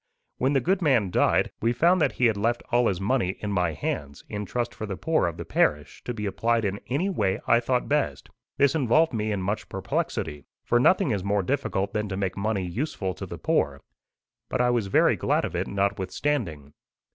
When the good man died, we found that he had left all his money in my hands, in trust for the poor of the parish, to be applied in any way I thought best. This involved me in much perplexity, for nothing is more difficult than to make money useful to the poor. But I was very glad of it, notwithstanding.